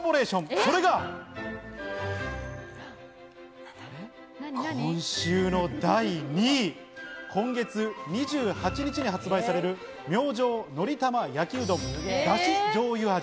それが、今週の第２位、今月２８日に発売される「明星のりたま焼うどんだし醤油味」。